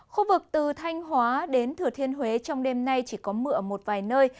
khu vực từ thanh hóa đến thừa thiên huế trong đêm nay chỉ có mưa ở một vài nơi